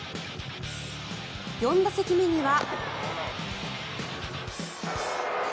４打席目には。